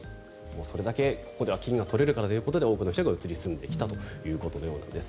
それだけここでは金が取れるからということで多くの人が移り住んできたということのようです。